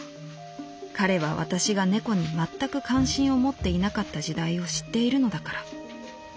彼は私が猫にまったく関心を持っていなかった時代を知っているのだから」。